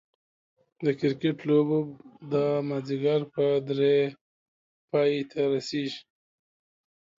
د کرکټ لوبه به دا ماځيګر په دري پايي ته رسيږي